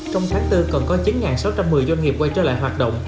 trong tháng bốn còn có chín sáu trăm một mươi doanh nghiệp quay trở lại hoạt động